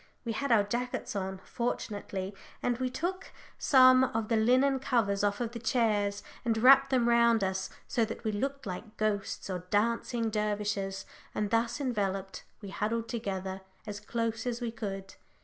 We had our jackets on, fortunately, and we took some of the linen covers off the chairs, and wrapped them round us, so that we looked like ghosts or dancing dervishes. And thus enveloped, we huddled together as close as we could.